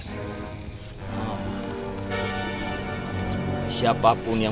saya tidak akan